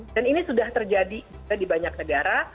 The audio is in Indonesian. dan ini sudah terjadi di banyak negara